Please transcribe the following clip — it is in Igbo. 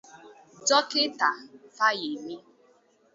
Dọkịta Fayemi